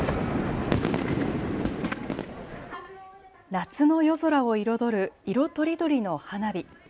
夏の夜空を彩る色とりどりの花火。